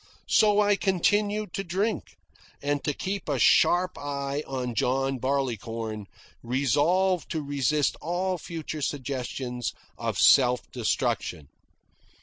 So I continued to drink, and to keep a sharp eye on John Barleycorn, resolved to resist all future suggestions of self destruction.